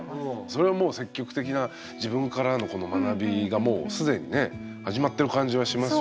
それはもう積極的な自分からのこの学びがもう既にね始まってる感じはしますよね。